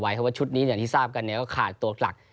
เพราะว่าชุดนี้อย่างที่ทราบกันเนี่ยก็ขาดตัวหลัก